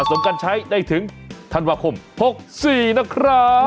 สมกันใช้ได้ถึงธันวาคม๖๔นะครับ